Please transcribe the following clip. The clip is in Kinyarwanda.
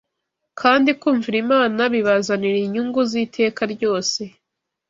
Kandi kumvira Imana bibazanira inyungu z’iteka ryose